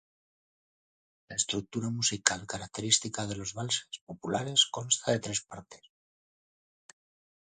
La estructura musical característica de los valses populares consta de tres partes.